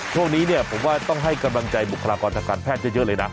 ช่วงนี้เนี่ยผมว่าต้องให้กำลังใจบุคลากรทางการแพทย์เยอะเลยนะ